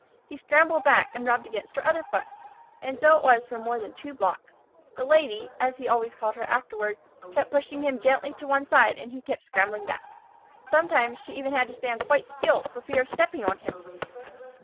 He scrambled back and rubbed against her other foot. And so it was for more than two blocks. The Lady, as he always called her afterward, kept pushing him gently to one side and he kept scrambling back. Sometimes she even had to stand quite still for fear of stepping on him.